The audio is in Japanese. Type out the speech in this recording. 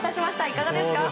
いかがですか。